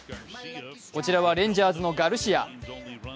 こちらはレンジャーズのガルシア。